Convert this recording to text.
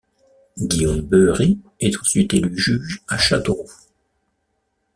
Guillaume Boëry est ensuite élu juge à Châteauroux.